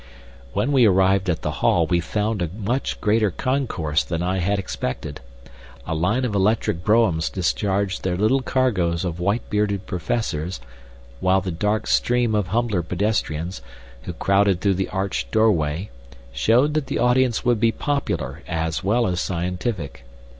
When we arrived at the hall we found a much greater concourse than I had expected. A line of electric broughams discharged their little cargoes of white bearded professors, while the dark stream of humbler pedestrians, who crowded through the arched door way, showed that the audience would be popular as well as scientific.